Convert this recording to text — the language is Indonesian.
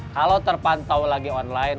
kalau terpantau lagi online